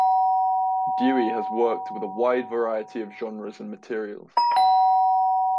Dewey has worked with a wide variety of genres and materials.